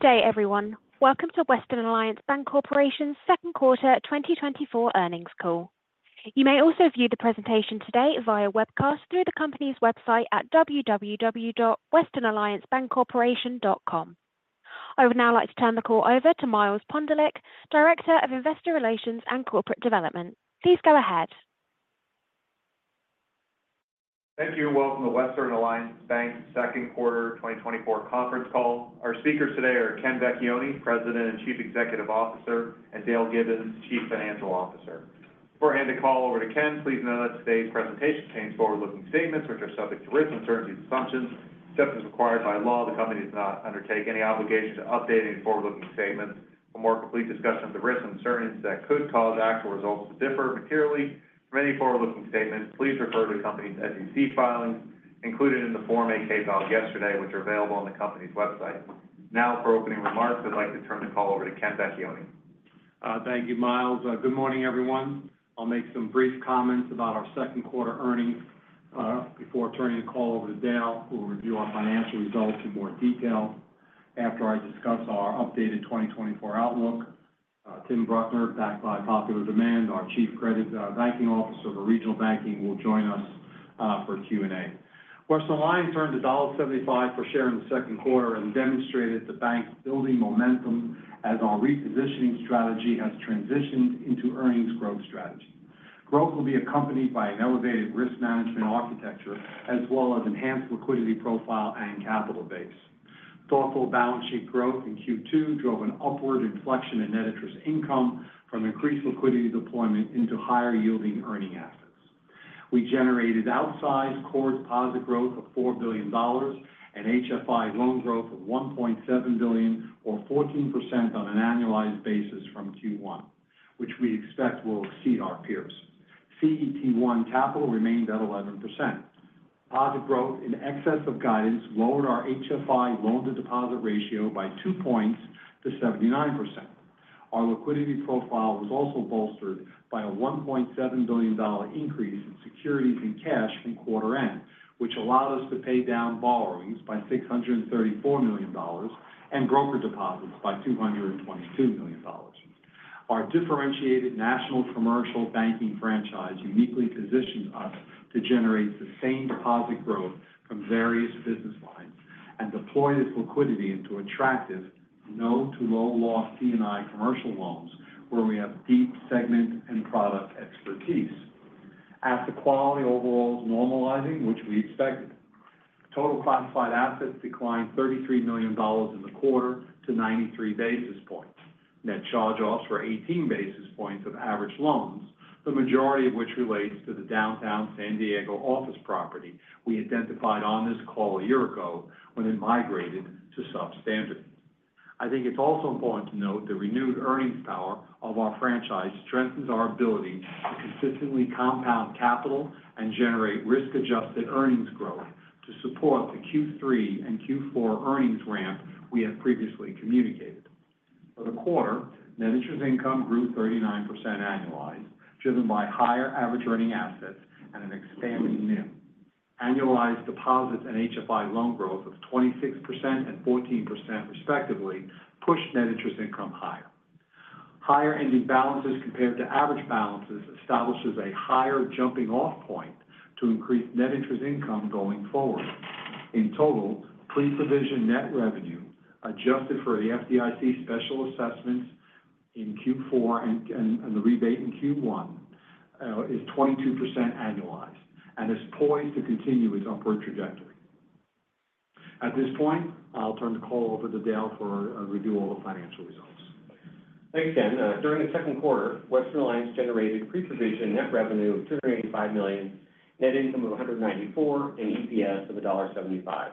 Good day, everyone. Welcome to Western Alliance Bancorporation's Q2 2024 earnings call. You may also view the presentation today via webcast through the company's website at www.westernalliancebancorporation.com. I would now like to turn the call over to Miles Pondelik, Director of Investor Relations and Corporate Development. Please go ahead. Thank you. Welcome to Western Alliance Bank's Q2 2024 conference call. Our speakers today are Ken Vecchione, President and Chief Executive Officer, and Dale Gibbons, Chief Financial Officer. Before I hand the call over to Ken, please note that today's presentation contains forward-looking statements which are subject to risks and certain assumptions, except as required by law. The company does not undertake any obligation to update any forward-looking statements. For more complete discussion of the risks and uncertainties that could cause actual results to differ materially from any forward-looking statement, please refer to the company's SEC filings included in the Form 8-K filed yesterday, which are available on the company's website. Now, for opening remarks, I'd like to turn the call over to Ken Vecchione. Thank you, Miles. Good morning, everyone. I'll make some brief comments about our Q2 earnings before turning the call over to Dale, who will review our financial results in more detail. After I discuss our updated 2024 outlook, Tim Bruckner, backed by popular demand, our Chief Banking Officer for Regional Banking, will join us for Q&A. Western Alliance earned $1.75 per share in the Q2 and demonstrated the bank's building momentum as our repositioning strategy has transitioned into earnings growth strategy. Growth will be accompanied by an elevated risk management architecture as well as enhanced liquidity profile and capital base. Thoughtful balance sheet growth in Q2 drove an upward inflection in Net Interest Income from increased liquidity deployment into higher yielding earning assets. We generated outsized core deposit growth of $4 billion and HFI loan growth of $1.7 billion, or 14% on an annualized basis from Q1, which we expect will exceed our peers. CET1 capital remained at 11%. Positive growth in excess of guidance lowered our HFI loan-to-deposit ratio by two points to 79%. Our liquidity profile was also bolstered by a $1.7 billion increase in securities and cash from quarter end, which allowed us to pay down borrowings by $634 million and broker deposits by $222 million. Our differentiated national commercial banking franchise uniquely positions us to generate sustained deposit growth from various business lines and deploy this liquidity into attractive no-to-low-loss C&I commercial loans where we have deep segment and product expertise. As the quality overall is normalizing, which we expected, total classified assets declined $33 million in the quarter to 93 basis points. Net charge-offs were 18 basis points of average loans, the majority of which relates to the downtown San Diego office property we identified on this call a year ago when it migrated to substandard. I think it's also important to note the renewed earnings power of our franchise strengthens our ability to consistently compound capital and generate risk-adjusted earnings growth to support the Q3 and Q4 earnings ramp we have previously communicated. For the quarter, Net Interest Income grew 39% annualized, driven by higher average earning assets and an expanding NIM. Annualized deposits and HFI loan growth of 26% and 14% respectively pushed Net Interest Income higher. Higher ending balances compared to average balances establishes a higher jumping-off point to increase Net Interest Income going forward. In total, Pre-Provision Net Revenue adjusted for the FDIC special assessments in Q4 and the rebate in Q1 is 22% annualized and is poised to continue its upward trajectory. At this point, I'll turn the call over to Dale for a review of the financial results. Thanks, Ken. During the Q2, Western Alliance generated pre-provision net revenue of $285 million, net income of $194 million, and EPS of $1.75.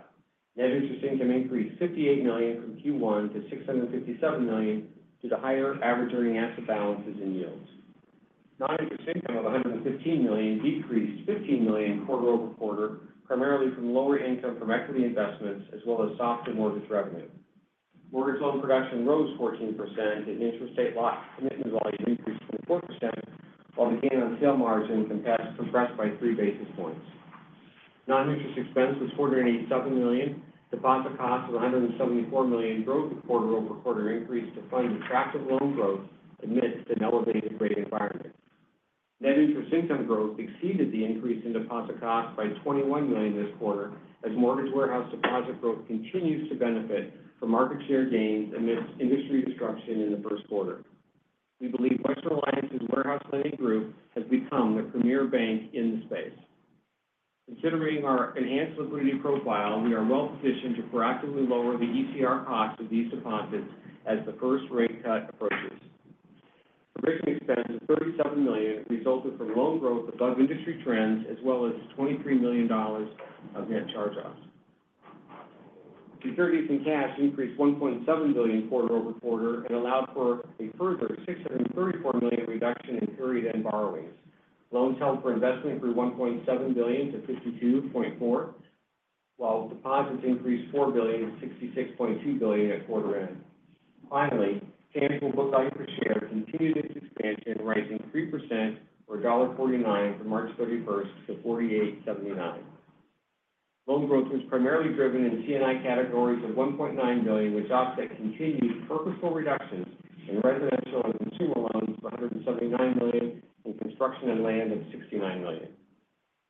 Net Interest Income increased $58 million from Q1 to $657 million due to higher average earning asset balances and yields. Noninterest income of $115 million decreased $15 million quarter-over-quarter, primarily from lower income from equity investments as well as SFR and mortgage revenue. Mortgage loan production rose 14%. Interest rate locked commitment volume increased 24%, while the gain on sale margin compressed by three basis points. Noninterest expense was $487 million. Deposit costs grew $174 million quarter-over-quarter to fund attractive loan growth amidst an elevated rate environment. Net Interest Income growth exceeded the increase in deposit cost by $21 million this quarter as mortgage warehouse deposit growth continues to benefit from market share gains amidst industry disruption in the Q1. We believe Western Alliance's warehouse lending group has become the premier bank in the space. Considering our enhanced liquidity profile, we are well positioned to proactively lower the ECR costs of these deposits as the first rate cut approaches. Provision expense of $37 million resulted from loan growth above industry trends as well as $23 million of net charge-offs. Securities and cash increased $1.7 billion quarter-over-quarter and allowed for a further $634 million reduction in period-end borrowings. Loans held for investment grew $1.7 billion to $52.4 billion, while deposits increased $4 billion to $66.2 billion at quarter-end. Finally, tangible book value per share continued its expansion, rising 3%, or $1.49 from March 31st to $48.79. Loan growth was primarily driven in C&I categories of $1.9 billion, which offset continued purposeful reductions in residential and consumer loans of $179 million and construction and land of $69 million.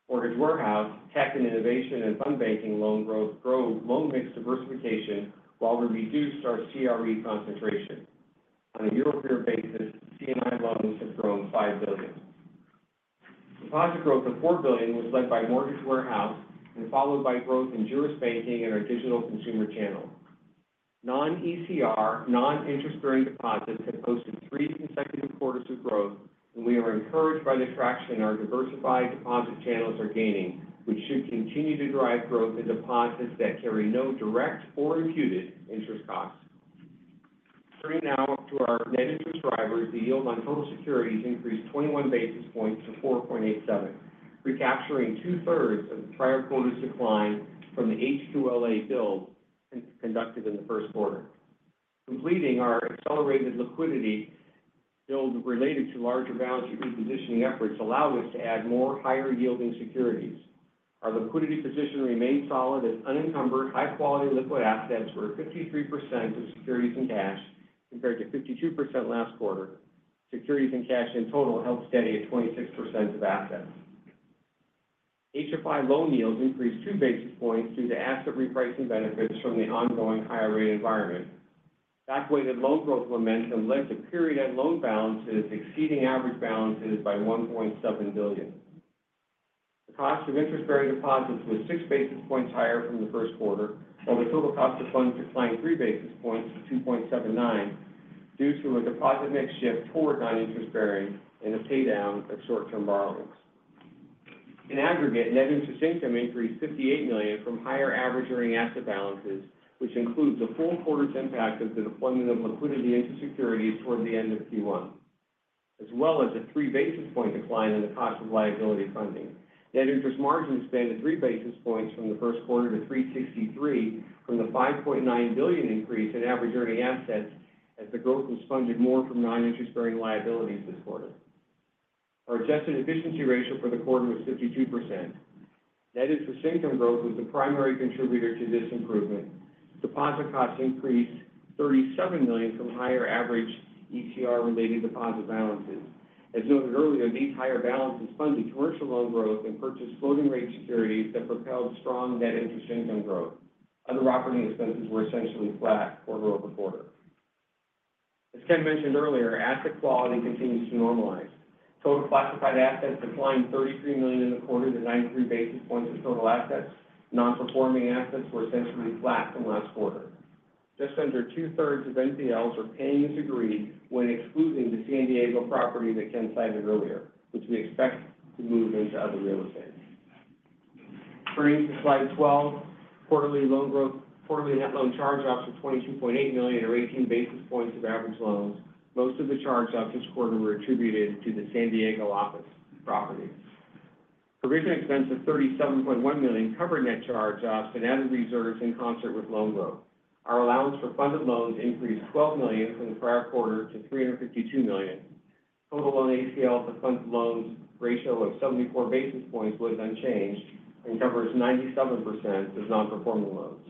Mortgage warehouse, Tech & Innovation, and Fund Banking loan growth drove loan mix diversification while we reduced our CRE concentration. On a year-over-year basis, C&I loans have grown $5 billion. Deposit growth of $4 billion was led by mortgage warehouse and followed by growth in Juris Banking and our digital consumer channel. Non-ECR, non-interest-bearing deposits have posted three consecutive quarters of growth, and we are encouraged by the traction our diversified deposit channels are gaining, which should continue to drive growth in deposits that carry no direct or imputed interest costs. Turning now to our net interest drivers, the yield on total securities increased 21 basis points to 4.87, recapturing two-thirds of the prior quarter's decline from the HQLA build conducted in the Q1. Completing our accelerated liquidity build related to larger balance sheet repositioning efforts allowed us to add more higher-yielding securities. Our liquidity position remained solid as unencumbered, high-quality liquid assets were 53% of securities and cash compared to 52% last quarter. Securities and cash in total held steady at 26% of assets. HFI loan yields increased two basis points due to asset repricing benefits from the ongoing higher rate environment. Back-weighted loan growth momentum led to period end loan balances exceeding average balances by $1.7 billion. The cost of interest-bearing deposits was 6 basis points higher from the Q1, while the total cost of funds declined 3 basis points to $2.79 due to a deposit mix shift toward non-interest bearing and a pay down of short-term borrowings. In aggregate, net interest income increased $58 million from higher average earning asset balances, which includes a full quarter's impact of the deployment of liquidity into securities toward the end of Q1, as well as a 3-basis point decline in the cost of liability funding. Net interest margin expanded 3 basis points from the Q1 to $363 from the $5.9 billion increase in average earning assets as the growth was funded more from non-interest-bearing liabilities this quarter. Our adjusted efficiency ratio for the quarter was 52%. Net interest income growth was the primary contributor to this improvement. Deposit costs increased $37 million from higher average ECR-related deposit balances. As noted earlier, these higher balances funded commercial loan growth and purchased floating-rate securities that propelled strong net interest income growth. Other operating expenses were essentially flat quarter over quarter. As Ken mentioned earlier, asset quality continues to normalize. Total classified assets declined $33 million in the quarter to 93 basis points of total assets. Non-performing assets were essentially flat from last quarter. Just under two-thirds of NPLs are paying as agreed when excluding the San Diego property that Ken cited earlier, which we expect to move into other real estate. Turning to slide 12, quarterly loan growth, quarterly net loan charge-offs were $22.8 million, or 18 basis points of average loans. Most of the charge-offs this quarter were attributed to the San Diego office property. Provision expense of $37.1 million covered net charge-offs and added reserves in concert with loan growth. Our allowance for funded loans increased $12 million from the prior quarter to $352 million. Total ACL to funded loans ratio of 74 basis points was unchanged and covers 97% of non-performing loans.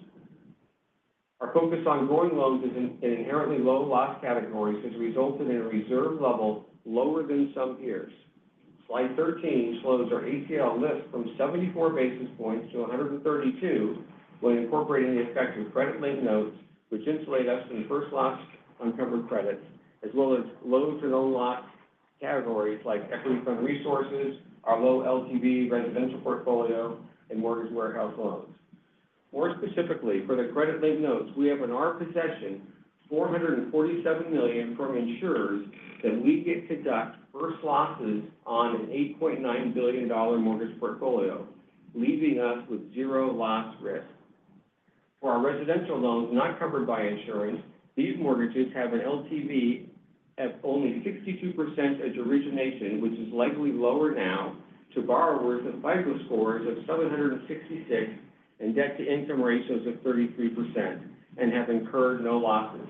Our focus on growing loans in inherently low-loss categories has resulted in a reserve level lower than some years. Slide 13 shows our ACL lift from 74 basis points to 132 when incorporating the effective credit-linked notes, which insulate us from the first-loss uncovered credits, as well as low-to-no loss categories like Equity Fund Resources, our low LTV residential portfolio, and mortgage warehouse loans. More specifically, for the credit-linked notes, we have in our possession $447 million from insurers that we get to deduct first losses on an $8.9 billion mortgage portfolio, leaving us with zero loss risk. For our residential loans not covered by insurance, these mortgages have an LTV of only 62% at origination, which is likely lower now, to borrowers with FICO scores of 766 and debt-to-income ratios of 33% and have incurred no losses.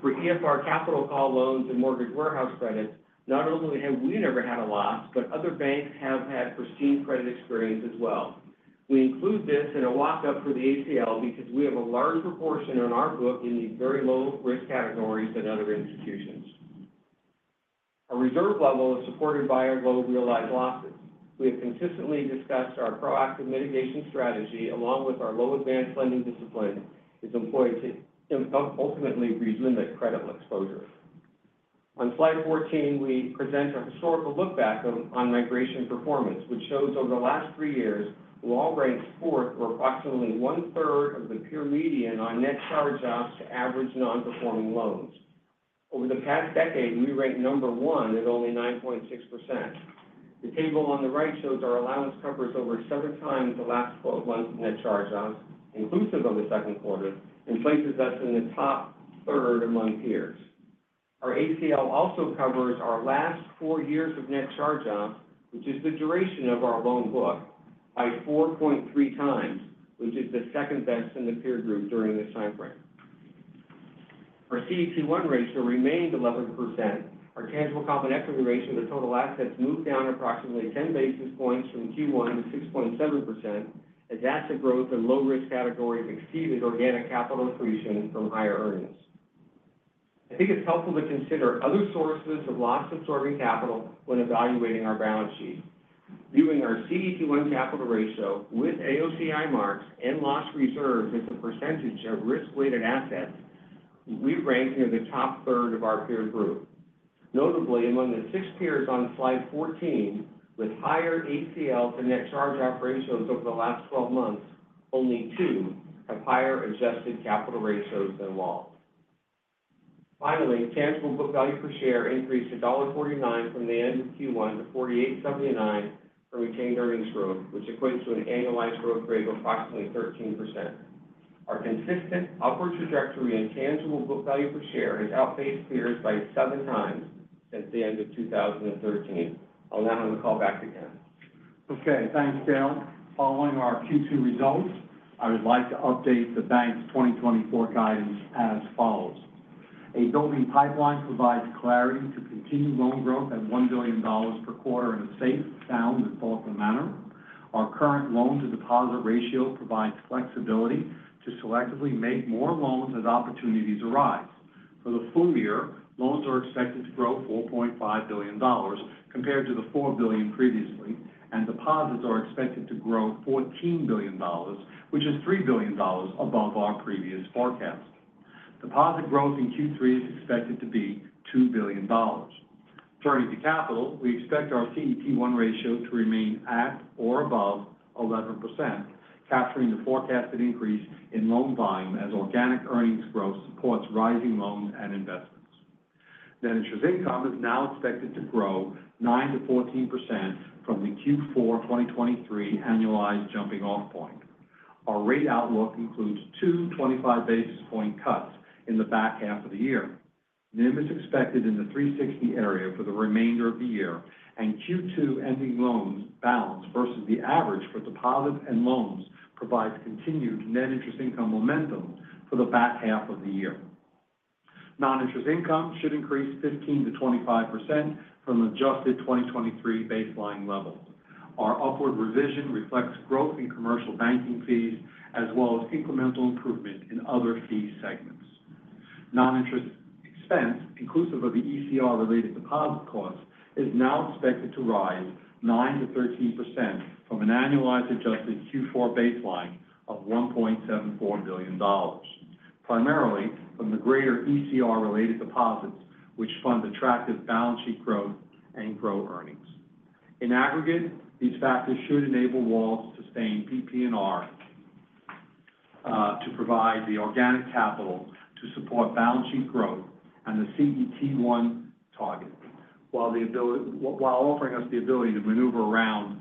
For EFR capital call loans and mortgage warehouse credits, not only have we never had a loss, but other banks have had pristine credit experience as well. We include this in a walk-up for the ACL because we have a large proportion in our book in these very low-risk categories than other institutions. Our reserve level is supported by our low realized losses. We have consistently discussed our proactive mitigation strategy along with our low advance lending discipline is employed to ultimately eliminate credit exposure. On slide 14, we present a historical look back on migration performance, which shows over the last 3 years, we all ranked fourth or approximately one-third of the peer median on net charge-offs to average non-performing loans. Over the past decade, we ranked number 1 at only 9.6%. The table on the right shows our allowance covers over 7 times the last 12 months of net charge-offs, inclusive of the Q2, and places us in the top third among peers. Our ACL also covers our last 4 years of net charge-offs, which is the duration of our loan book, by 4.3 times, which is the second best in the peer group during this time frame. Our CET1 ratio remained 11%. Our tangible common equity ratio to total assets moved down approximately 10 basis points from Q1 to 6.7% as asset growth in low-risk categories exceeded organic capital accretion from higher earnings. I think it's helpful to consider other sources of loss-absorbing capital when evaluating our balance sheet. Viewing our CET1 capital ratio with AOCI marks and loss reserves as a percentage of risk-weighted assets, we rank near the top third of our peer group. Notably, among the six peers on slide 14, with higher ACL to net charge-off ratios over the last 12 months, only two have higher adjusted capital ratios than WALT. Finally, tangible book value per share increased to $1.49 from the end of Q1 to $48.79 from retained earnings growth, which equates to an annualized growth rate of approximately 13%. Our consistent upward trajectory in tangible book value per share has outpaced peers by seven times since the end of 2013. I'll now have a call back to Ken. Okay. Thanks, Dale. Following our Q2 results, I would like to update the bank's 2024 guidance as follows. A building pipeline provides clarity to continue loan growth at $1 billion per quarter in a safe, sound, and thoughtful manner. Our current loan-to-deposit ratio provides flexibility to selectively make more loans as opportunities arise. For the full year, loans are expected to grow $4.5 billion compared to the $4 billion previously, and deposits are expected to grow $14 billion, which is $3 billion above our previous forecast. Deposit growth in Q3 is expected to be $2 billion. Turning to capital, we expect our CET1 ratio to remain at or above 11%, capturing the forecasted increase in loan volume as organic earnings growth supports rising loans and investments. Net interest income is now expected to grow 9%-14% from the Q4 2023 annualized jumping-off point. Our rate outlook includes 2 25 basis point cuts in the back half of the year. NIM is expected in the 360 area for the remainder of the year, and Q2 ending loans balance versus the average for deposits and loans provides continued net interest income momentum for the back half of the year. Non-interest income should increase 15%-25% from adjusted 2023 baseline levels. Our upward revision reflects growth in commercial banking fees as well as incremental improvement in other fee segments. Non-interest expense, inclusive of the ECR-related deposit costs, is now expected to rise 9%-13% from an annualized adjusted Q4 baseline of $1.74 billion, primarily from the greater ECR-related deposits, which fund attractive balance sheet growth and grow earnings. In aggregate, these factors should enable WALT to sustain PP&R, to provide the organic capital to support balance sheet growth and the CET1 target, while offering us the ability to maneuver around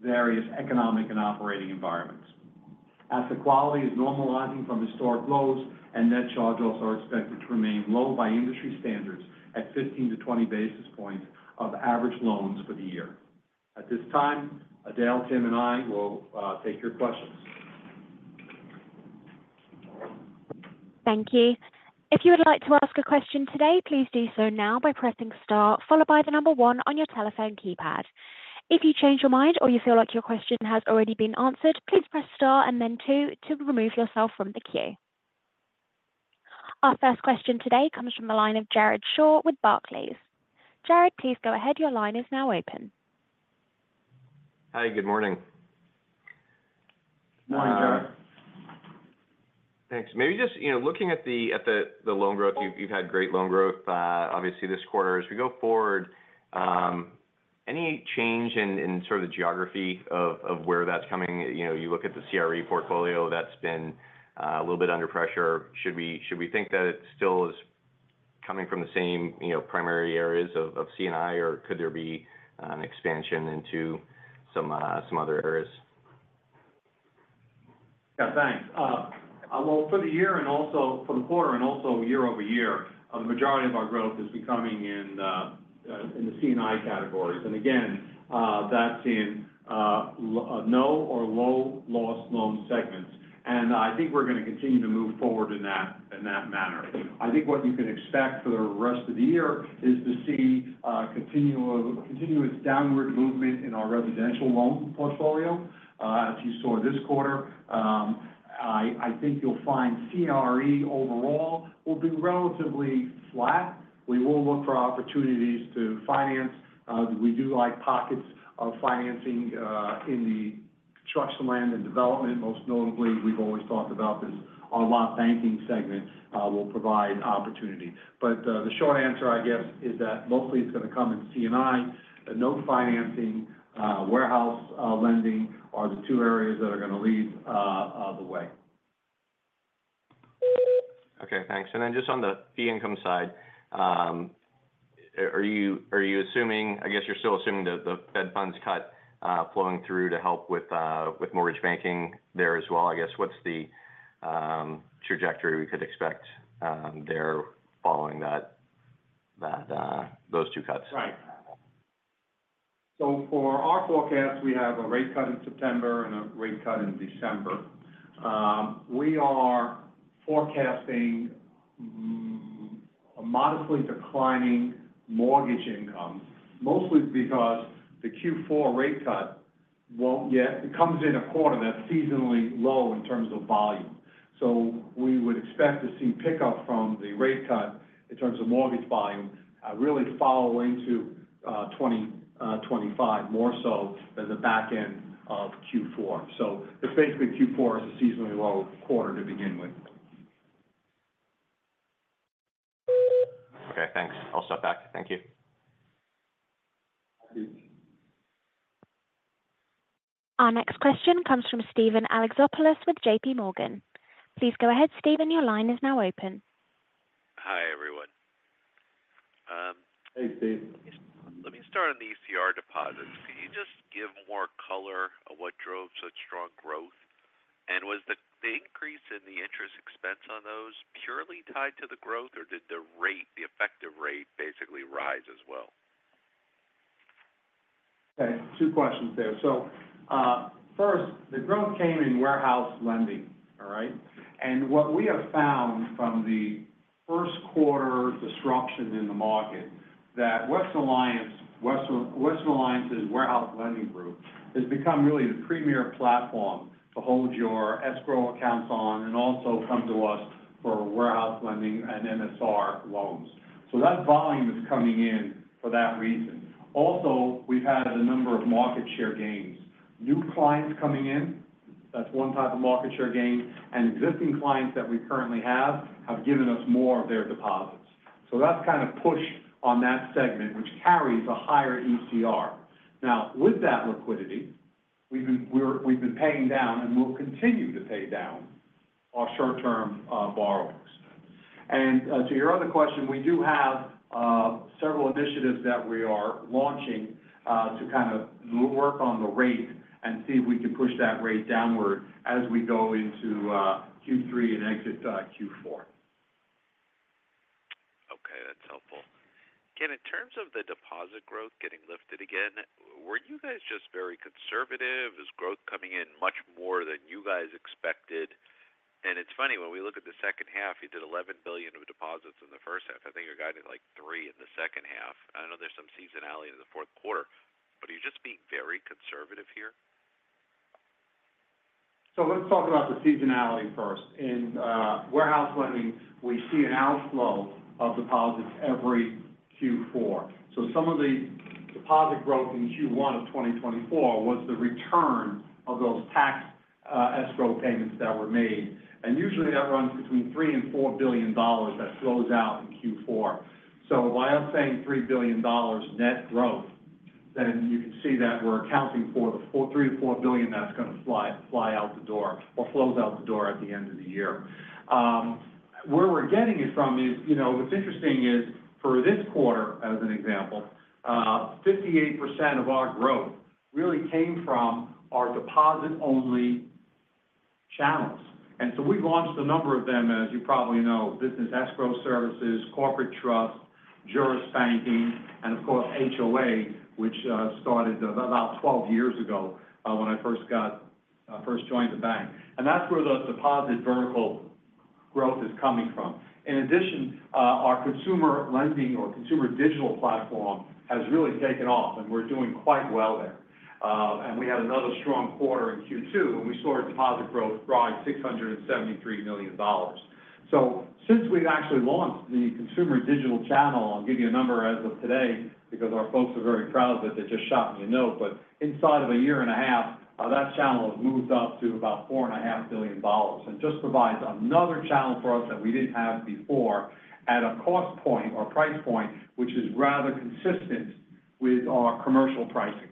various economic and operating environments. Asset quality is normalizing from historic lows, and net charge-offs are expected to remain low by industry standards at 15-20 basis points of average loans for the year. At this time, Dale, Tim, and I will take your questions. Thank you. If you would like to ask a question today, please do so now by pressing star, followed by the number one on your telephone keypad. If you change your mind or you feel like your question has already been answered, please press star and then two to remove yourself from the queue. Our first question today comes from the line of Jared Shaw with Barclays. Jared, please go ahead. Your line is now open. Hi. Good morning. Good morning, Jared. Thanks. Maybe just looking at the loan growth, you've had great loan growth, obviously, this quarter. As we go forward, any change in sort of the geography of where that's coming? You look at the CRE portfolio that's been a little bit under pressure. Should we think that it still is coming from the same primary areas of C&I, or could there be an expansion into some other areas? Yeah. Thanks. Well, for the year and also for the quarter and also year-over-year, the majority of our growth is coming in the C&I categories. And again, that's in no or low-loss loan segments. And I think we're going to continue to move forward in that manner. I think what you can expect for the rest of the year is to see continuous downward movement in our residential loan portfolio, as you saw this quarter. I think you'll find CRE overall will be relatively flat. We will look for opportunities to finance. We do like pockets of financing in the construction land and development. Most notably, we've always talked about this a lot: banking segment will provide opportunity. But the short answer, I guess, is that mostly it's going to come in C&I. The note financing, warehouse lending are the two areas that are going to lead the way. Okay. Thanks. And then just on the fee income side, are you assuming - I guess you're still assuming the Fed funds cut flowing through to help with mortgage banking there as well? I guess what's the trajectory we could expect there following those two cuts? Right. So for our forecast, we have a rate cut in September and a rate cut in December. We are forecasting a modestly declining mortgage income, mostly because the Q4 rate cut won't yet, it comes in a quarter that's seasonally low in terms of volume. So we would expect to see pickup from the rate cut in terms of mortgage volume really fall into 2025 more so than the back end of Q4. So it's basically Q4 is a seasonally low quarter to begin with. Okay. Thanks. I'll step back. Thank you. Our next question comes from Steven Alexopoulos with J.P. Morgan. Please go ahead, Steven. Your line is now open. Hi, everyone. Hey, Steven. Let me start on the ECR deposits. Can you just give more color of what drove such strong growth? And was the increase in the interest expense on those purely tied to the growth, or did the rate, the effective rate, basically rise as well? Okay. Two questions there. So first, the growth came in warehouse lending, all right? And what we have found from the Q1 disruption in the market, that Western Alliance's warehouse lending group has become really the premier platform to hold your escrow accounts on and also come to us for warehouse lending and MSR loans. So that volume is coming in for that reason. Also, we've had a number of market share gains, new clients coming in. That's one type of market share gain. And existing clients that we currently have have given us more of their deposits. So that's kind of pushed on that segment, which carries a higher ECR. Now, with that liquidity, we've been paying down and will continue to pay down our short-term borrowers. To your other question, we do have several initiatives that we are launching to kind of work on the rate and see if we can push that rate downward as we go into Q3 and exit Q4. Okay. That's helpful. Ken, in terms of the deposit growth getting lifted again, were you guys just very conservative? Is growth coming in much more than you guys expected? And it's funny, when we look at the H2, you did $11 billion of deposits in the H1. I think you're guiding like $3 billion in the H2. I know there's some seasonality in the Q4, but are you just being very conservative here? So let's talk about the seasonality first. In warehouse lending, we see an outflow of deposits every Q4. So some of the deposit growth in Q1 of 2024 was the return of those tax escrow payments that were made. And usually, that runs between $3-$4 billion that flows out in Q4. So by us saying $3 billion net growth, then you can see that we're accounting for the $3-$4 billion that's going to fly out the door or flows out the door at the end of the year. Where we're getting it from is what's interesting is for this quarter, as an example, 58% of our growth really came from our deposit-only channels. And so we've launched a number of them, as you probably know, business escrow services, corporate trusts, Juris Banking, and of course, HOA, which started about 12 years ago when I first joined the bank. And that's where the deposit vertical growth is coming from. In addition, our consumer lending or consumer digital platform has really taken off, and we're doing quite well there. And we had another strong quarter in Q2, and we saw our deposit growth drive $673 million. So since we've actually launched the consumer digital channel, I'll give you a number as of today because our folks are very proud of it. They just shot me a note. But inside of a year and a half, that channel has moved up to about $4.5 billion and just provides another channel for us that we didn't have before at a cost point or price point, which is rather consistent with our commercial pricing,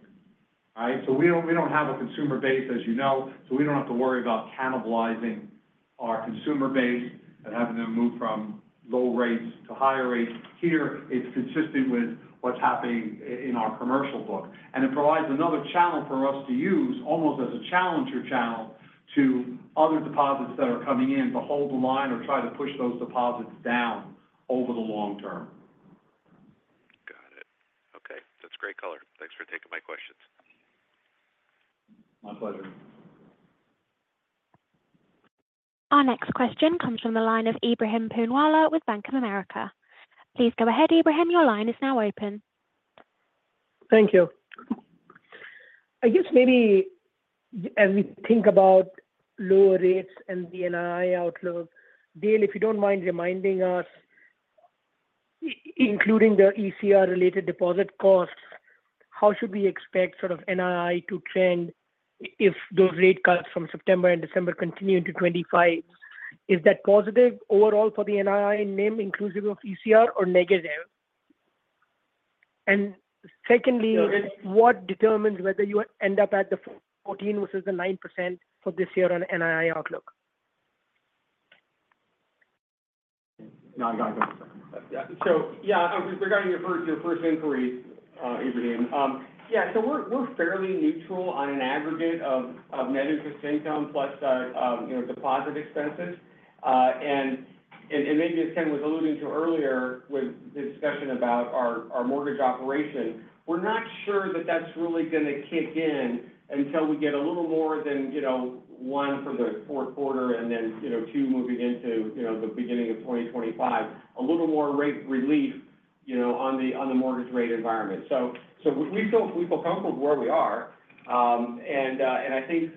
right? So we don't have a consumer base, as you know, so we don't have to worry about cannibalizing our consumer base and having them move from low rates to higher rates. Here, it's consistent with what's happening in our commercial book. And it provides another channel for us to use, almost as a challenger channel to other deposits that are coming in to hold the line or try to push those deposits down over the long term. Got it. Okay. That's great color. Thanks for taking my questions. My pleasure. Our next question comes from the line of Ebrahim Poonawala with Bank of America. Please go ahead, Ebrahim. Your line is now open. Thank you. I guess maybe as we think about lower rates and the NII outlook, Dale, if you don't mind reminding us, including the ECR-related deposit costs, how should we expect sort of NII to trend if those rate cuts from September and December continue into 2025? Is that positive overall for the NII NIM, inclusive of ECR, or negative? And secondly, what determines whether you end up at the 14% versus the 9% for this year on NII outlook? No, I gotcha. So yeah, regarding your first inquiry, Ebrahim, yeah, so we're fairly neutral on an aggregate of net interest income plus deposit expenses. Maybe as Ken was alluding to earlier with the discussion about our mortgage operation, we're not sure that that's really going to kick in until we get a little more than 1 for the Q4 and then 2 moving into the beginning of 2025, a little more rate relief on the mortgage rate environment. So we feel comfortable with where we are. I think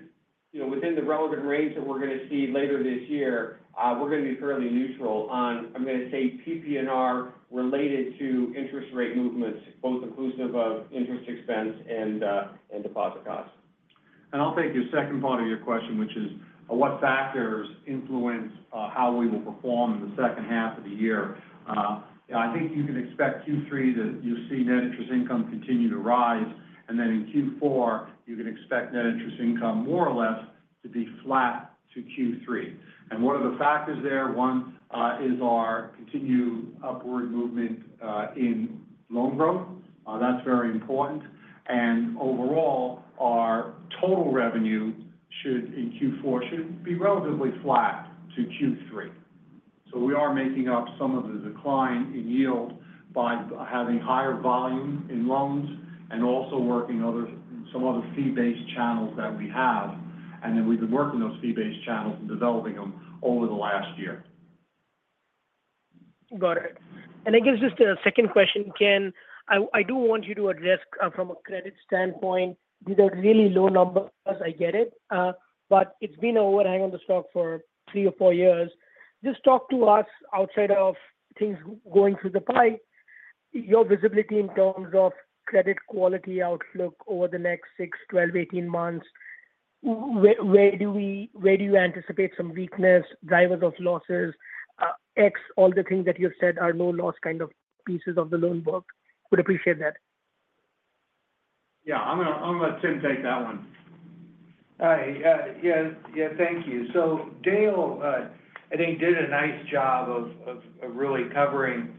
within the relevant range that we're going to see later this year, we're going to be fairly neutral on, I'm going to say, PP&R-related to interest rate movements, both inclusive of interest expense and deposit costs. And I'll take your second part of your question, which is what factors influence how we will perform in the H2 of the year. I think you can expect Q3 that you'll see net interest income continue to rise. And then in Q4, you can expect net interest income more or less to be flat to Q3. And one of the factors there, one, is our continued upward movement in loan growth. That's very important. And overall, our total revenue in Q4 should be relatively flat to Q3. So we are making up some of the decline in yield by having higher volume in loans and also working some other fee-based channels that we have. And then we've been working those fee-based channels and developing them over the last year. Got it. And I guess just a second question, Ken. I do want you to address from a credit standpoint. These are really low numbers. I get it. But it's been an overhang on the stock for 3 or 4 years. Just talk to us outside of things going through the pipe, your visibility in terms of credit quality outlook over the next six, 12, 18 months. Where do you anticipate some weakness, drivers of losses, X, all the things that you've said are no-loss kind of pieces of the loan book? Would appreciate that. Yeah. I'll let Tim take that one. Hi. Yeah. Yeah. Thank you. So Dale, I think, did a nice job of really covering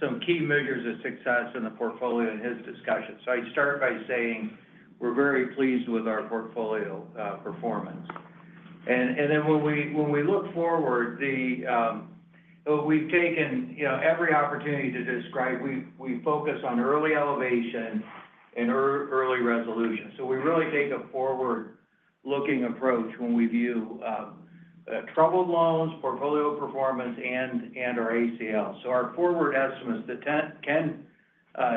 some key measures of success in the portfolio in his discussion. So I'd start by saying we're very pleased with our portfolio performance. And then when we look forward, we've taken every opportunity to describe we focus on early elevation and early resolution. So we really take a forward-looking approach when we view troubled loans, portfolio performance, and our ACL. So our forward estimates, that Ken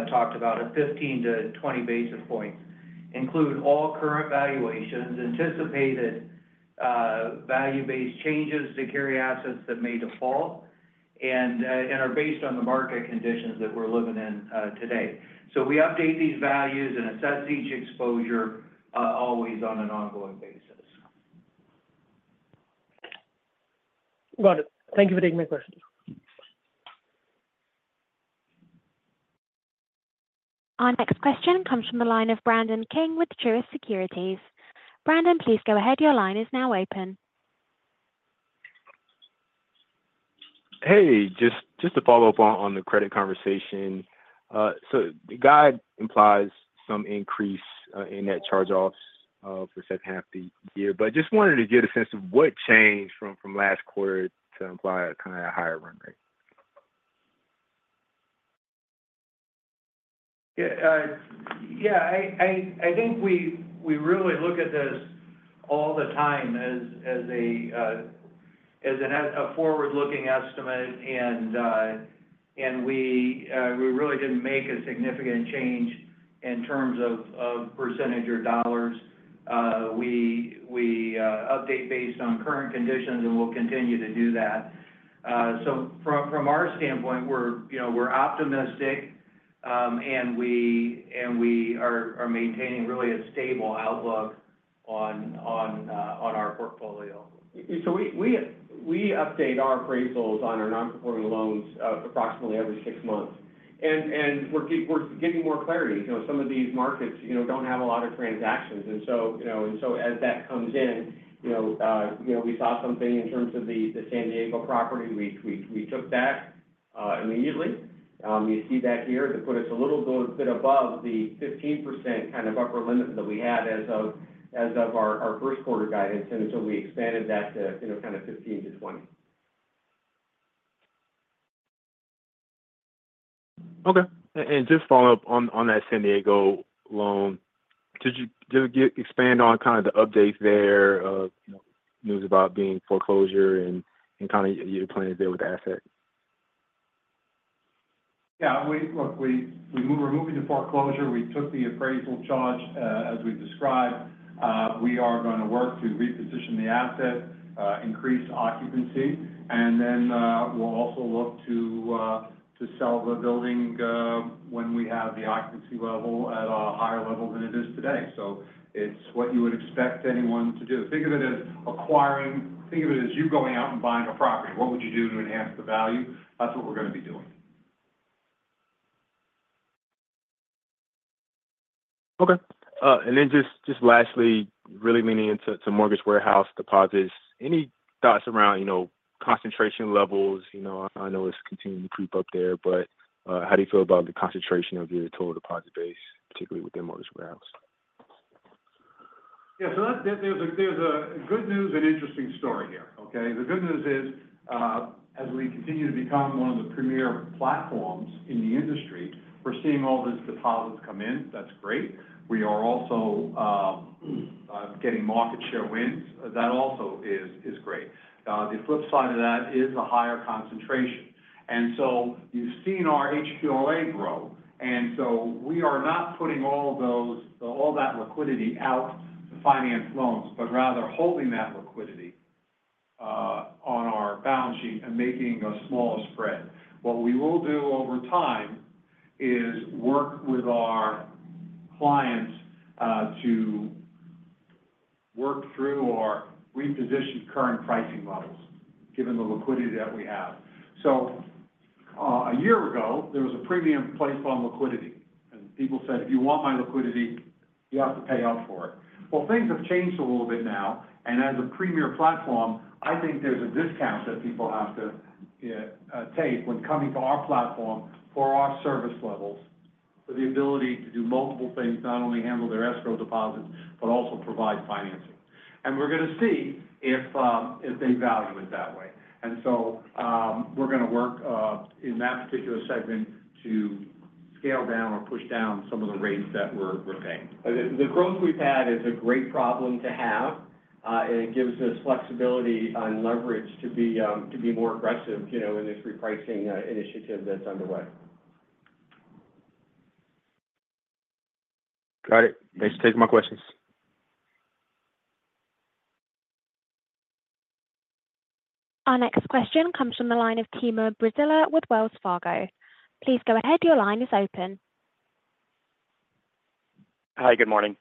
talked about, at 15-20 basis points, include all current valuations, anticipated value-based changes to carry assets that may default, and are based on the market conditions that we're living in today. So we update these values and assess each exposure always on an ongoing basis. Got it. Thank you for taking my question. Our next question comes from the line of Brandon King with Truist Securities. Brandon, please go ahead. Your line is now open. Hey, just to follow up on the credit conversation. The guide implies some increase in that charge-offs for the H2 of the year. I just wanted to get a sense of what changed from last quarter to imply kind of a higher run rate. Yeah. Yeah. I think we really look at this all the time as a forward-looking estimate. And we really didn't make a significant change in terms of percentage or dollars. We update based on current conditions and will continue to do that. So from our standpoint, we're optimistic, and we are maintaining really a stable outlook on our portfolio. So we update our appraisals on our non-performing loans approximately every six months. We're getting more clarity. Some of these markets don't have a lot of transactions. So as that comes in, we saw something in terms of the San Diego property. We took that immediately. You see that here. That put us a little bit above the 15% kind of upper limit that we had as of our Q1 guidance. So we expanded that to kind of 15%-20%. Okay. Just follow up on that San Diego loan. Did you expand on kind of the updates there, news about being foreclosure and kind of your plans there with the asset? Yeah. Look, we're moving to foreclosure. We took the appraisal charge as we described. We are going to work to reposition the asset, increase occupancy, and then we'll also look to sell the building when we have the occupancy level at a higher level than it is today. So it's what you would expect anyone to do. Think of it as acquiring. Think of it as you going out and buying a property. What would you do to enhance the value? That's what we're going to be doing. Okay. Then just lastly, really leaning into mortgage warehouse deposits. Any thoughts around concentration levels? I know it's continuing to creep up there, but how do you feel about the concentration of your total deposit base, particularly within mortgage warehouse? Yeah. So there's a good news and interesting story here, okay? The good news is, as we continue to become one of the premier platforms in the industry, we're seeing all those deposits come in. That's great. We are also getting market share wins. That also is great. The flip side of that is a higher concentration. And so you've seen our HQLA grow. And so we are not putting all that liquidity out to finance loans, but rather holding that liquidity on our balance sheet and making a small spread. What we will do over time is work with our clients to work through or reposition current pricing levels, given the liquidity that we have. So a year ago, there was a premium placed on liquidity. And people said, "If you want my liquidity, you have to pay up for it." Well, things have changed a little bit now. As a premier platform, I think there's a discount that people have to take when coming to our platform for our service levels, for the ability to do multiple things, not only handle their escrow deposits, but also provide financing. We're going to see if they value it that way. So we're going to work in that particular segment to scale down or push down some of the rates that we're paying. The growth we've had is a great problem to have. It gives us flexibility on leverage to be more aggressive in this repricing initiative that's underway. Got it. Thanks for taking my questions. Our next question comes from the line of Timur Braziler with Wells Fargo. Please go ahead. Your line is open. Hi. Good morning.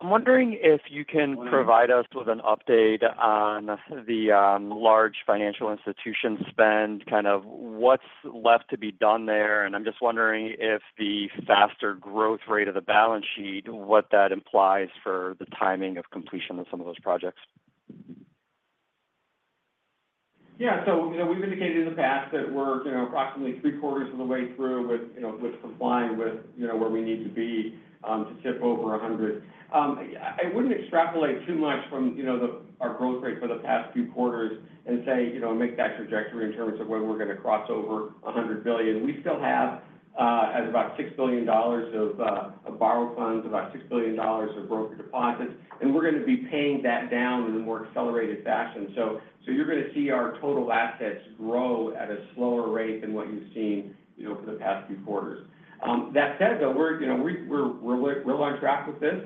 I'm wondering if you can provide us with an update on the large financial institution spend, kind of what's left to be done there. I'm just wondering if the faster growth rate of the balance sheet, what that implies for the timing of completion of some of those projects. Yeah. So we've indicated in the past that we're approximately three quarters of the way through with complying with where we need to be to tip over $100 billion. I wouldn't extrapolate too much from our growth rate for the past few quarters and say make that trajectory in terms of when we're going to cross over $100 billion. We still have about $6 billion of borrowed funds, about $6 billion of broker deposits. And we're going to be paying that down in a more accelerated fashion. So you're going to see our total assets grow at a slower rate than what you've seen for the past few quarters. That said, though, we're on track with this.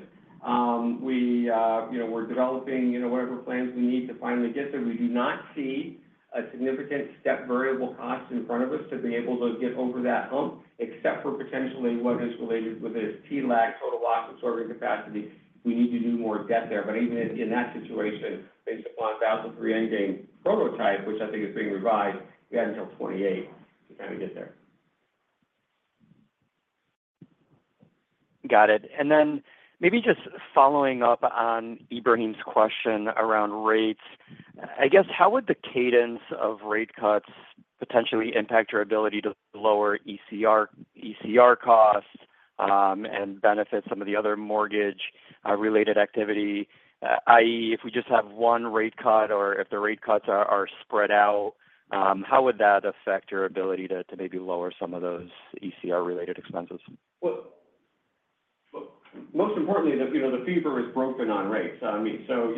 We're developing whatever plans we need to finally get there. We do not see a significant step variable cost in front of us to be able to get over that hump, except for potentially what is related with this TLAC, total loss absorbing capacity. We need to do more debt there. But even in that situation, based upon Basel III Endgame Proposal, which I think is being revised, we had until 2028 to kind of get there. Got it. And then maybe just following up on Ebrahim's question around rates, I guess, how would the cadence of rate cuts potentially impact your ability to lower ECR costs and benefit some of the other mortgage-related activity? i.e., if we just have one rate cut or if the rate cuts are spread out, how would that affect your ability to maybe lower some of those ECR-related expenses? Well, most importantly, the fever is broken on rates. I mean, so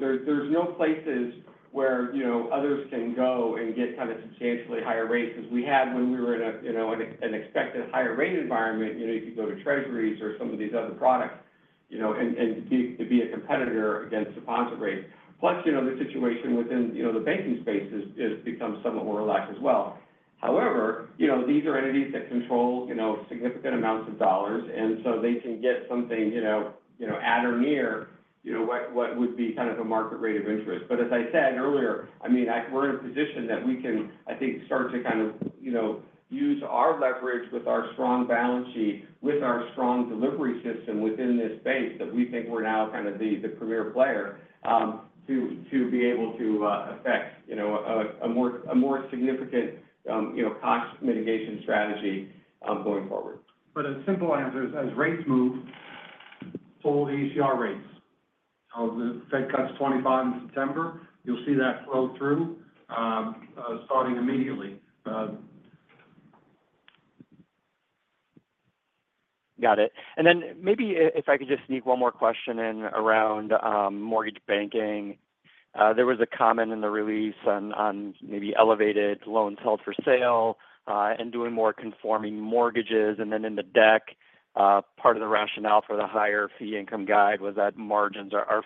there's no places where others can go and get kind of substantially higher rates as we had when we were in an expected higher rate environment. You could go to Treasuries or some of these other products and be a competitor against the positive rates. Plus, the situation within the banking space has become somewhat more relaxed as well. However, these are entities that control significant amounts of dollars. And so they can get something at or near what would be kind of a market rate of interest. But as I said earlier, I mean, we're in a position that we can, I think, start to kind of use our leverage with our strong balance sheet, with our strong delivery system within this space that we think we're now kind of the premier player to be able to affect a more significant cost mitigation strategy going forward. But in simple answers, as rates move, pull the ECR rates. The Fed cuts 25 in September. You'll see that flow through starting immediately. Got it. And then maybe if I could just sneak one more question in around mortgage banking. There was a comment in the release on maybe elevated loans held for sale and doing more conforming mortgages. And then in the deck, part of the rationale for the higher fee income guide was that margins are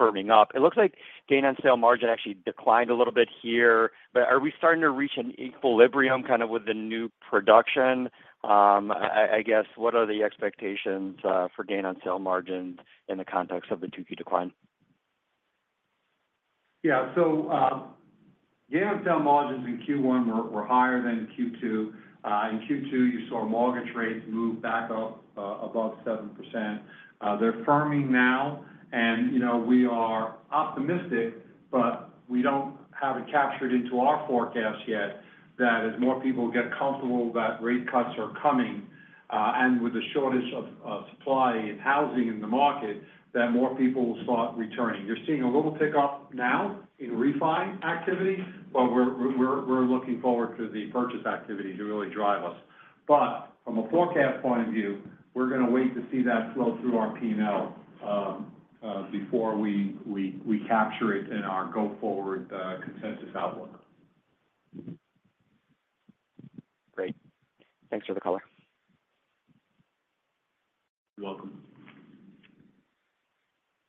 firming up. It looks like gain on sale margin actually declined a little bit here. But are we starting to reach an equilibrium kind of with the new production? I guess, what are the expectations for gain on sale margin in the context of the 2Q decline? Yeah. So gain on sale margins in Q1 were higher than Q2. In Q2, you saw mortgage rates move back up above 7%. They're firming now. And we are optimistic, but we don't have it captured into our forecast yet that as more people get comfortable that rate cuts are coming and with the shortage of supply and housing in the market, that more people will start returning. You're seeing a little tick up now in refi activity, but we're looking forward to the purchase activity to really drive us. But from a forecast point of view, we're going to wait to see that flow through our P&L before we capture it in our go-forward consensus outlook. Great. Thanks for the caller. You're welcome.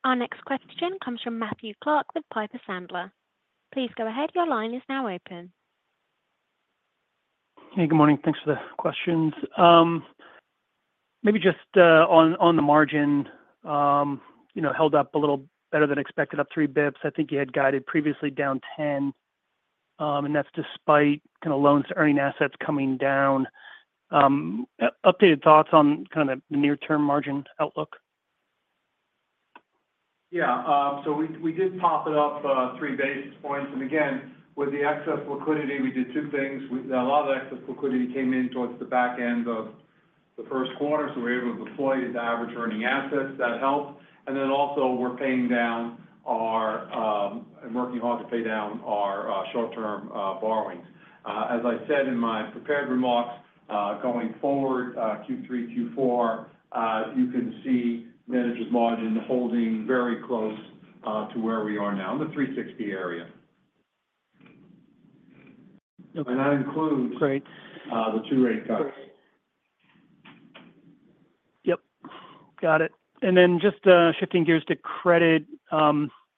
Our next question comes from Matthew Clark with Piper Sandler. Please go ahead. Your line is now open. Hey, good morning. Thanks for the questions. Maybe just on the margin, held up a little better than expected, up 3 bps. I think you had guided previously down 10. And that's despite kind of loans to earning assets coming down. Updated thoughts on kind of the near-term margin outlook? Yeah. So we did pop it up three basis points. And again, with the excess liquidity, we did two things. A lot of the excess liquidity came in towards the back end of the Q1. So we were able to deploy into average earning assets. That helped. And then also, we're paying down our and working hard to pay down our short-term borrowings. As I said in my prepared remarks, going forward Q3, Q4, you can see net interest margin holding very close to where we are now, in the 360 area. And that includes the two rate cuts. Yep. Got it. And then just shifting gears to credit,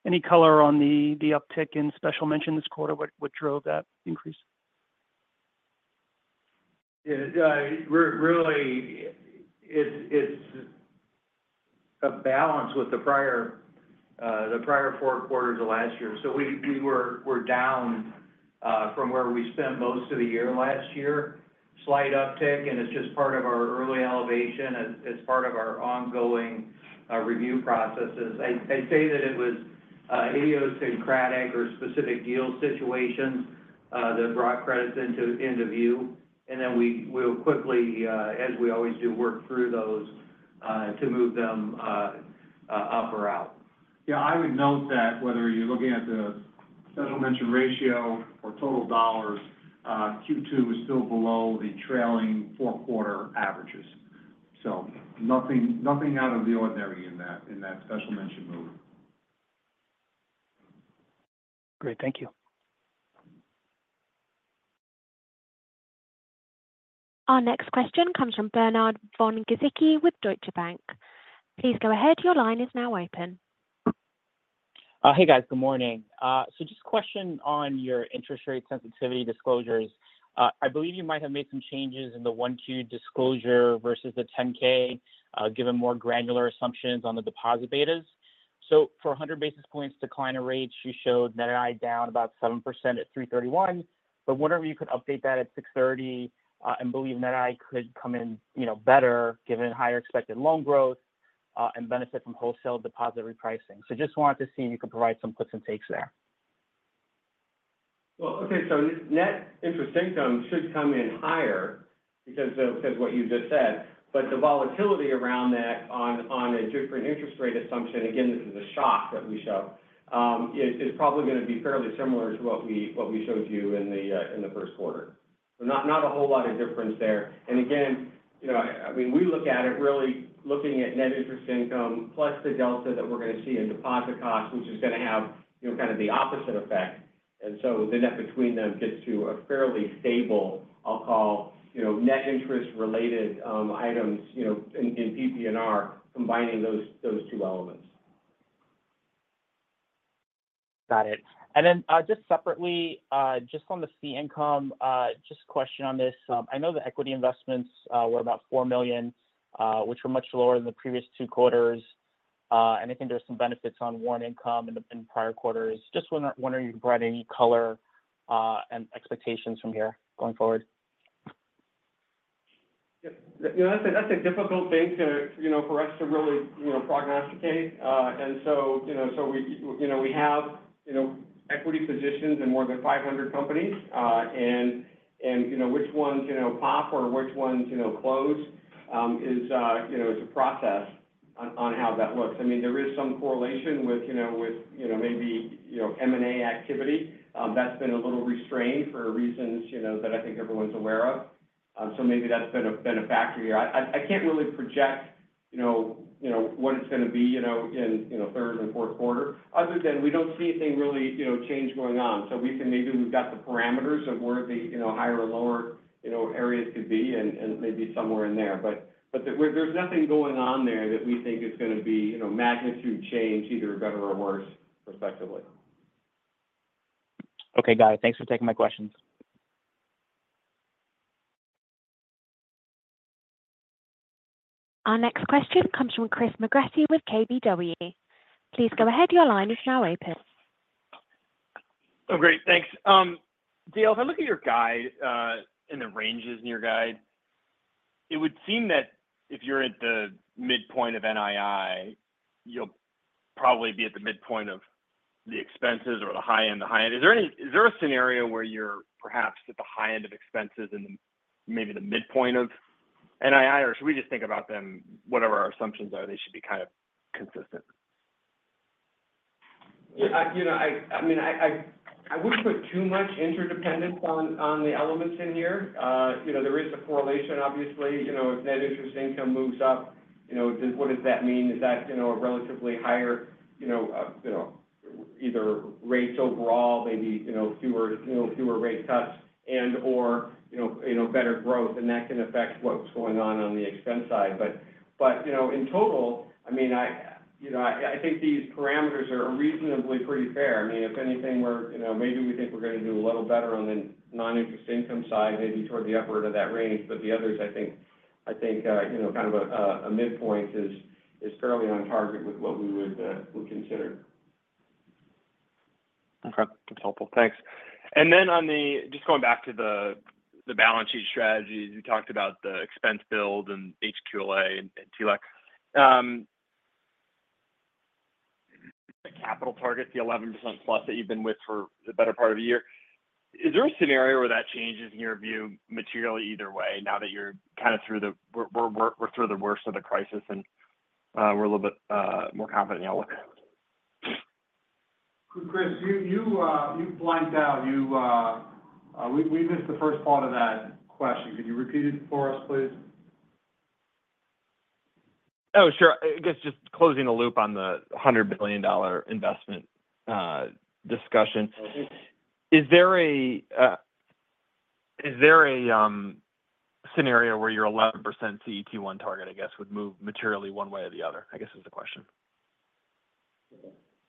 any color on the uptick in special mention this quarter? What drove that increase? Yeah. Really, it's a balance with the prior four quarters of last year. So we were down from where we spent most of the year last year, slight uptick. And it's just part of our early elevation. It's part of our ongoing review processes. I'd say that it was idiosyncratic or specific deal situations that brought credits into view. And then we'll quickly, as we always do, work through those to move them up or out. Yeah. I would note that whether you're looking at the special mention ratio or total dollars, Q2 was still below the trailing four-quarter averages. So nothing out of the ordinary in that special mention move. Great. Thank you. Our next question comes from Bernard Von Gizycki with Deutsche Bank. Please go ahead. Your line is now open. Hey, guys. Good morning. Just a question on your interest rate sensitivity disclosures. I believe you might have made some changes in the 1Q disclosure versus the 10-K, given more granular assumptions on the deposit betas. For 100 basis points decline in rates, you showed NII down about 7% at $331. But wonder if you could update that at $630. And believe NII could come in better given higher expected loan growth and benefit from wholesale deposit repricing. Just wanted to see if you could provide some cliffs and takes there. Well, okay. So net interest income should come in higher because of what you just said. But the volatility around that on a different interest rate assumption, again, this is a shock that we show, is probably going to be fairly similar to what we showed you in the Q1. So not a whole lot of difference there. And again, I mean, we look at it really looking at net interest income plus the delta that we're going to see in deposit costs, which is going to have kind of the opposite effect. And so the net between them gets to a fairly stable, I'll call, net interest-related items in PP&R, combining those two elements. Got it. And then just separately, just on the fee income, just a question on this. I know the equity investments were about $4 million, which were much lower than the previous two quarters. And I think there were some benefits on warrant income in prior quarters. Just wondering if you could provide any color and expectations from here going forward. Yep. That's a difficult thing for us to really prognosticate. And so we have equity positions in more than 500 companies. And which ones pop or which ones close is a process on how that looks. I mean, there is some correlation with maybe M&A activity. That's been a little restrained for reasons that I think everyone's aware of. So maybe that's been a factor here. I can't really project what it's going to be in third and Q4, other than we don't see anything really change going on. So maybe we've got the parameters of where the higher and lower areas could be and maybe somewhere in there. But there's nothing going on there that we think is going to be magnitude change, either better or worse, prospectively. Okay, got it. Thanks for taking my questions. Our next question comes from Chris McGratty with KBW. Please go ahead. Your line is now open. Oh, great. Thanks. Dale, if I look at your guide and the ranges in your guide, it would seem that if you're at the midpoint of NII, you'll probably be at the midpoint of the expenses or the high end, the high end. Is there a scenario where you're perhaps at the high end of expenses and maybe the midpoint of NII? Or should we just think about them, whatever our assumptions are, they should be kind of consistent? Yeah. I mean, I wouldn't put too much interdependence on the elements in here. There is a correlation, obviously. If net interest income moves up, what does that mean? Is that a relatively higher either rates overall, maybe fewer rate cuts, and/or better growth? And that can affect what's going on on the expense side. But in total, I mean, I think these parameters are reasonably pretty fair. I mean, if anything, maybe we think we're going to do a little better on the non-interest income side, maybe toward the upper end of that range. But the others, I think kind of a midpoint is fairly on target with what we would consider. Okay. That's helpful. Thanks. And then just going back to the balance sheet strategies, we talked about the expense build and HQLA and TLAC. The capital target, the 11% plus that you've been with for the better part of the year, is there a scenario where that changes in your view materially either way now that you're kind of through, we're through the worst of the crisis and we're a little bit more confident in y'all? Chris, you blanked out. We missed the first part of that question. Could you repeat it for us, please? Oh, sure. I guess just closing the loop on the $100 billion investment discussion. Is there a scenario where your 11% CET1 target, I guess, would move materially one way or the other? I guess is the question.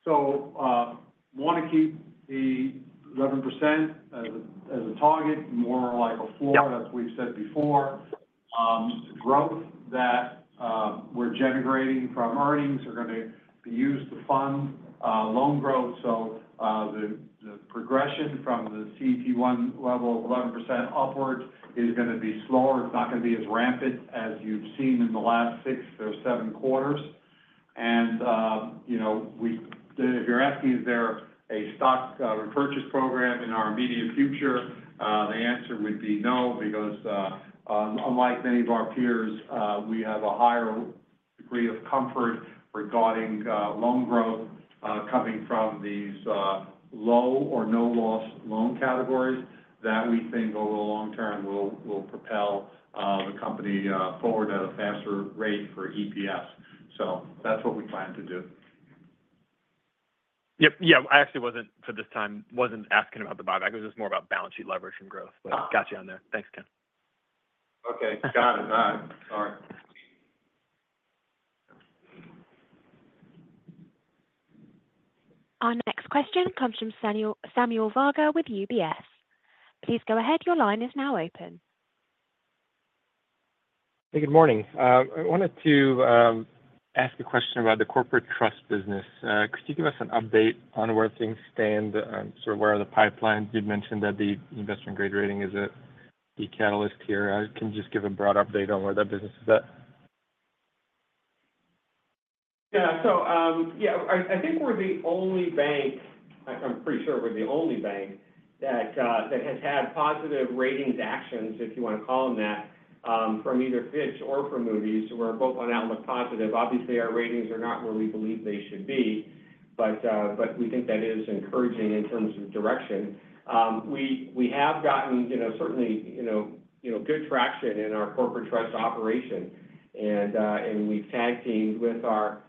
So want to keep the 11% as a target, more like a floor, as we've said before. Growth that we're generating from earnings are going to be used to fund loan growth. So the progression from the CET1 level of 11% upwards is going to be slower. It's not going to be as rampant as you've seen in the last six or seven quarters. And if you're asking is there a stock repurchase program in our immediate future, the answer would be no because, unlike many of our peers, we have a higher degree of comfort regarding loan growth coming from these low or no-loss loan categories that we think over the long term will propel the company forward at a faster rate for EPS. So that's what we plan to do. Yep. Yeah. I actually wasn't for this time, wasn't asking about the buyback. It was just more about balance sheet leverage and growth. But got you on there. Thanks again. Okay. Got it. All right. Our next question comes from Samuel Varga with UBS. Please go ahead. Your line is now open. Hey, good morning. I wanted to ask a question about the corporate trust business. Could you give us an update on where things stand? Sort of where are the pipelines? You'd mentioned that the investment-grade rating is a key catalyst here. Can you just give a broad update on where that business is at? Yeah. So yeah, I think we're the only bank, I'm pretty sure we're the only bank that has had positive ratings actions, if you want to call them that, from either Fitch or from Moody's. We're both on Outlook positive. Obviously, our ratings are not where we believe they should be. But we think that is encouraging in terms of direction. We have gotten certainly good traction in our corporate trust operation. And we've tag-teamed with our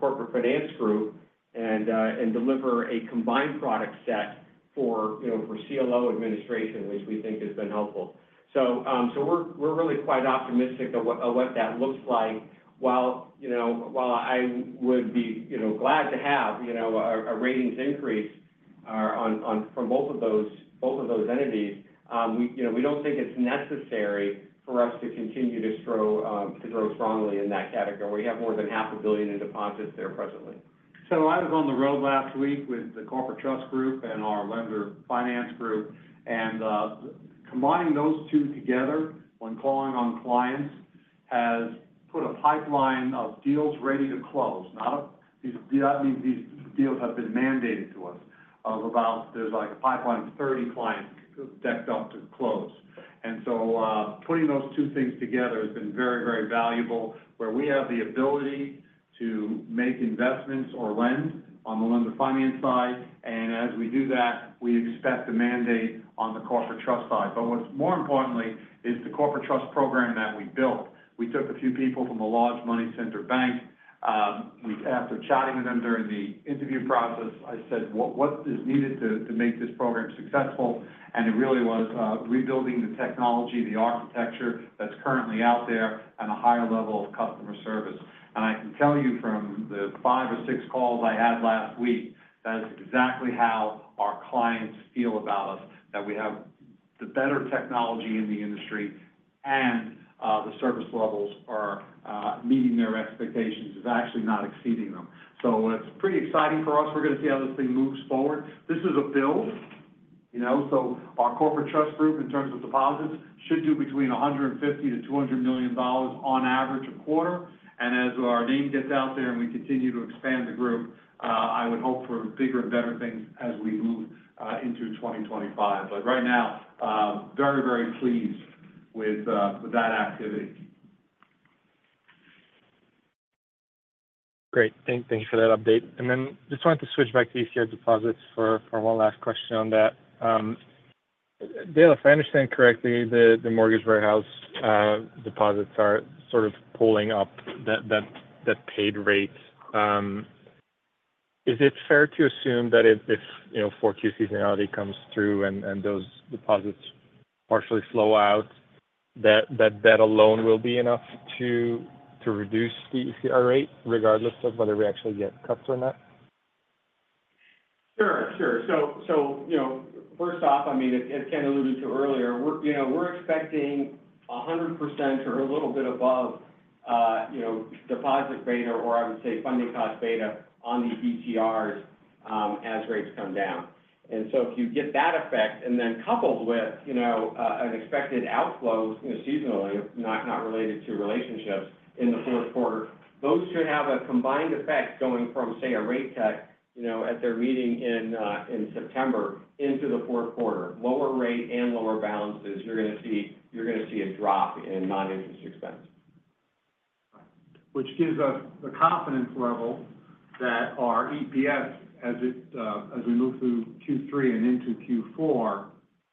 corporate finance group and deliver a combined product set for CLO administration, which we think has been helpful. So we're really quite optimistic of what that looks like. While I would be glad to have a ratings increase from both of those entities, we don't think it's necessary for us to continue to grow strongly in that category. We have more than $500 million in deposits there presently. So I was on the road last week with the corporate trust group and our lender finance group. Combining those two together when calling on clients has put a pipeline of deals ready to close. None of these deals have been mandated to us. There's a pipeline of 30 clients expected to close. Putting those two things together has been very, very valuable where we have the ability to make investments or lend on the lender finance side. As we do that, we expect the mandate on the corporate trust side. What's more important is the corporate trust program that we built. We took a few people from a large money center bank. After chatting with them during the interview process, I said, "What is needed to make this program successful?" It really was rebuilding the technology, the architecture that's currently out there, and a higher level of customer service. I can tell you from the five or six calls I had last week, that is exactly how our clients feel about us, that we have the better technology in the industry and the service levels are meeting their expectations is actually not exceeding them. So it's pretty exciting for us. We're going to see how this thing moves forward. This is a build. So our corporate trust group, in terms of deposits, should do between $150 million-$200 million on average a quarter. As our name gets out there and we continue to expand the group, I would hope for bigger and better things as we move into 2025. Right now, very, very pleased with that activity. Great. Thank you for that update. Just wanted to switch back to ECR deposits for one last question on that. Dale, if I understand correctly, the mortgage warehouse deposits are sort of pulling up that paid rate. Is it fair to assume that if 4Q seasonality comes through and those deposits partially flow out, that that alone will be enough to reduce the ECR rate regardless of whether we actually get cuts or not? Sure. Sure. So first off, I mean, as Ken alluded to earlier, we're expecting 100% or a little bit above deposit beta or, I would say, funding cost beta on the ECRs as rates come down. And so if you get that effect and then coupled with unexpected outflows seasonally, not related to relationships in the Q4, those should have a combined effect going from, say, a rate cut at their meeting in September into the Q4. Lower rate and lower balances, you're going to see a drop in non-interest expense. Which gives us the confidence level that our EPS, as we move through Q3 and into Q4,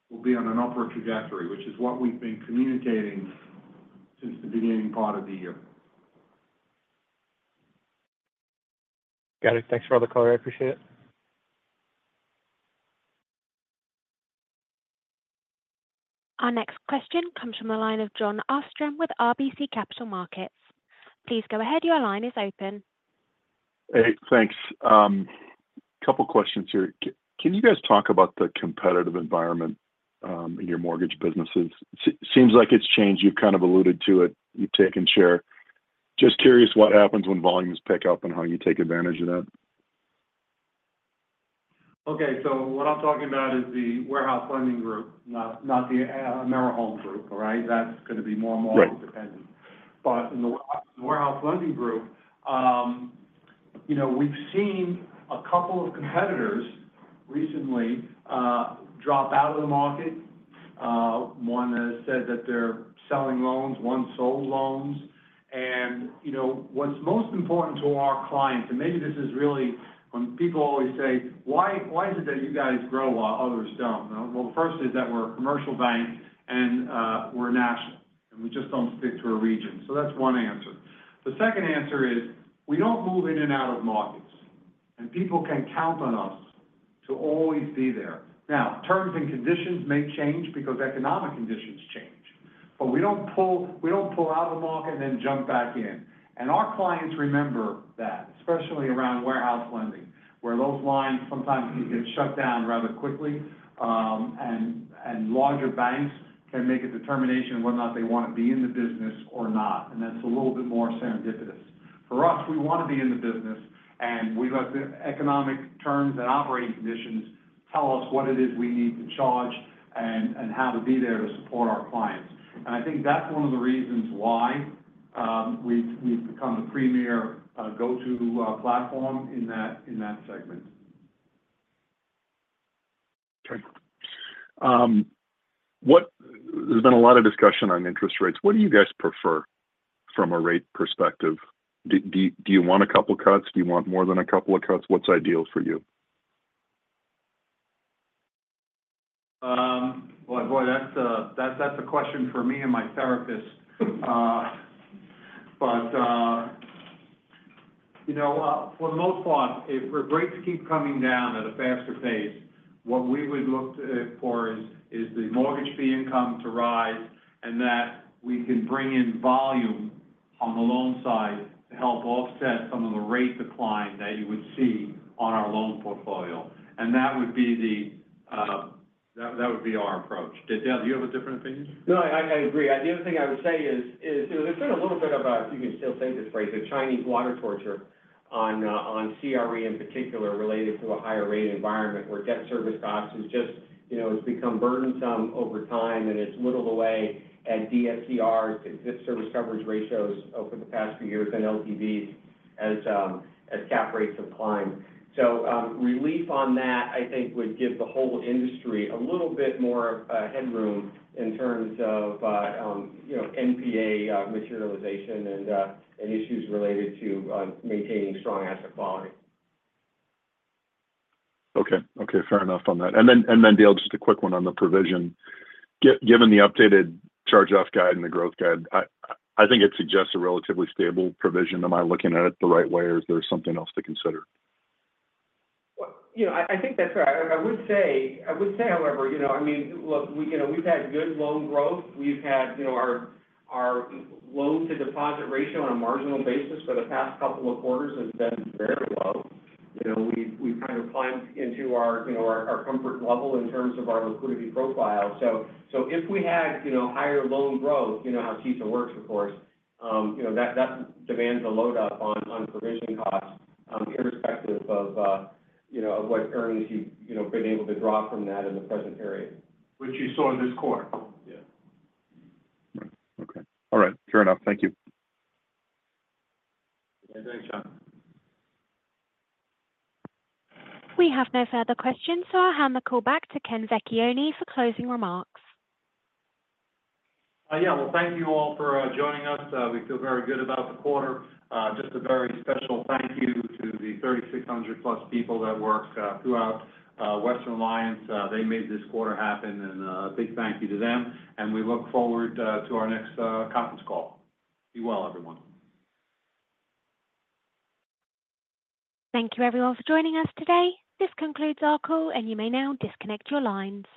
will be on an upward trajectory, which is what we've been communicating since the beginning part of the year. Got it. Thanks for all the color. I appreciate it. Our next question comes from the line of Jon Arfstrom with RBC Capital Markets. Please go ahead. Your line is open. Hey, thanks. A couple of questions here. Can you guys talk about the competitive environment in your mortgage businesses? Seems like it's changed. You've kind of alluded to it. You've taken share. Just curious what happens when volumes pick up and how you take advantage of that. Okay. So what I'm talking about is the warehouse lending group, not the AmeriHome group, right? That's going to be more and more independent. But in the warehouse lending group, we've seen a couple of competitors recently drop out of the market. One has said that they're selling loans. One sold loans. And what's most important to our clients, and maybe this is really when people always say, "Why is it that you guys grow while others don't?" Well, the first is that we're a commercial bank and we're national. And we just don't stick to a region. So that's one answer. The second answer is we don't move in and out of markets. And people can count on us to always be there. Now, terms and conditions may change because economic conditions change. But we don't pull out of the market and then jump back in. And our clients remember that, especially around warehouse lending, where those lines sometimes can get shut down rather quickly. Larger banks can make a determination whether or not they want to be in the business or not. And that's a little bit more serendipitous. For us, we want to be in the business. And we let the economic terms and operating conditions tell us what it is we need to charge and how to be there to support our clients. And I think that's one of the reasons why we've become the premier go-to platform in that segment. Okay. There's been a lot of discussion on interest rates. What do you guys prefer from a rate perspective? Do you want a couple of cuts? Do you want more than a couple of cuts? What's ideal for you? Boy, that's a question for me and my therapist. But for the most part, if rates keep coming down at a faster pace, what we would look for is the mortgage fee income to rise and that we can bring in volume on the loan side to help offset some of the rate decline that you would see on our loan portfolio. And that would be our approach. Dale, do you have a different opinion? No, I agree. The other thing I would say is there's been a little bit of, if you can still say this phrase, a Chinese water torture on CRE in particular related to a higher rate environment where debt service costs have just become burdensome over time and it's whittled away at DSCRs, the service coverage ratios over the past few years and LTVs as cap rates have climbed. So relief on that, I think, would give the whole industry a little bit more headroom in terms of NPA materialization and issues related to maintaining strong asset quality. Okay. Okay. Fair enough on that. Dale, just a quick one on the provision. Given the updated charge-off guide and the growth guide, I think it suggests a relatively stable provision. Am I looking at it the right way or is there something else to consider? I think that's right. I would say, however, I mean, look, we've had good loan growth. We've had our loan-to-deposit ratio on a marginal basis for the past couple of quarters has been very low. We've kind of climbed into our comfort level in terms of our liquidity profile. So if we had higher loan growth, you know how CECL works, of course, that demands a load up on provision costs irrespective of what earnings you've been able to draw from that in the present period. Which you saw this quarter. Yeah. Okay. All right. Fair enough. Thank you. Thanks, John. We have no further questions, so I'll hand the call back to Ken Vecchione for closing remarks. Yeah. Well, thank you all for joining us. We feel very good about the quarter. Just a very special thank you to the 3,600+ people that work throughout Western Alliance. They made this quarter happen. A big thank you to them. We look forward to our next conference call. Be well, everyone. Thank you, everyone, for joining us today. This concludes our call, and you may now disconnect your lines.